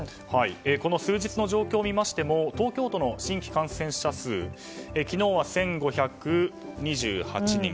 この数日の状況を見ましても東京都の新規感染者数昨日は１５２８人。